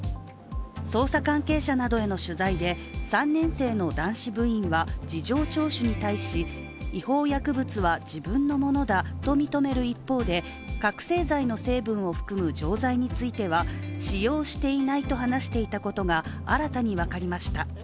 捜査関係者などへの取材で３年生の男子部員は、事情聴取に対し違法薬物は自分のものだと認める一方で覚醒剤の成分を含む錠剤については使用していないと話していたことが新たに分かりました。